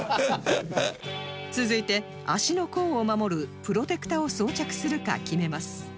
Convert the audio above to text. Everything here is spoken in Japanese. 続いて足の甲を守るプロテクタを装着するか決めます